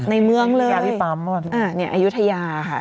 ในเมืองเลยอ่านี่อายุทยาค่ะ